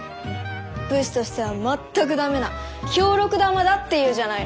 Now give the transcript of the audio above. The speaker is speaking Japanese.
武士としては全く駄目な表六玉だっていうじゃないの。